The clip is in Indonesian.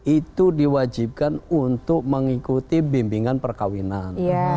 itu diwajibkan untuk mengikuti bimbingan perkawinan